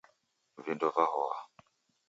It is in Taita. Vindo vahoa